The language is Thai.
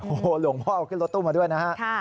โอ้โหหลวงพ่อเอาขึ้นรถตู้มาด้วยนะฮะ